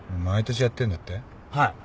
はい。